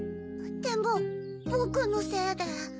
でもぼくのせいで。